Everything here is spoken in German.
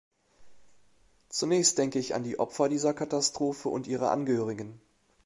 Zunächst denke ich an die Opfer dieser Katastrophe und ihre Angehörigen.